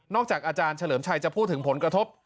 จากอาจารย์เฉลิมชัยจะพูดถึงผลกระทบ